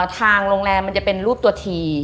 ทางโรงแรมมันจะเป็นรูปตัวที